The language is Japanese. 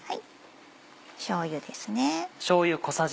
しょうゆですね。